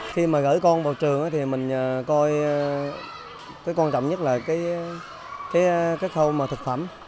khi mà gửi con vào trường thì mình coi cái quan trọng nhất là cái khâu mà thực phẩm